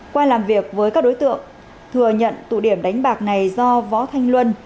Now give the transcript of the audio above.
qua làm việc với các đối tượng thừa nhận tụ điểm đánh bạc này do võ thanh luân